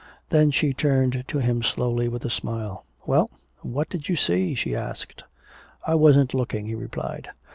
Then she turned to him slowly with a smile. "Well? What did you see?" she asked. "I wasn't looking," he replied.